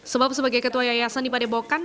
sebab sebagai ketua yayasan di padepokan